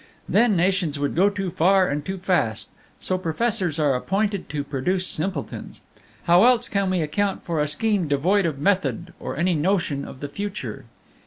Then nations would go too far and too fast; so professors are appointed to produce simpletons. How else can we account for a scheme devoid of method or any notion of the future?